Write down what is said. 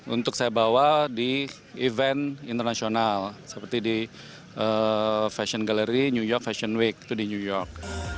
untuk saya bawa di event internasional seperti di fashion gallery new york fashion week itu di new york